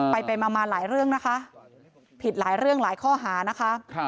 ไปไปมาหลายเรื่องนะคะผิดหลายเรื่องหลายข้อหานะคะ